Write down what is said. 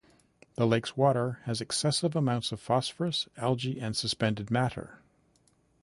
The lake's water has excessive amounts of phosphorus, algae and suspended matter.